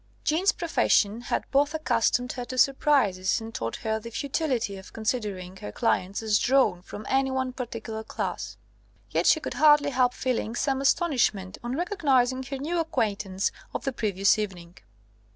Jeanne's profession had both accustomed her to surprises and taught her the futility of considering her clients as drawn from any one particular class; yet she could hardly help feeling some astonishment on recognising her new acquaintance of the previous evening.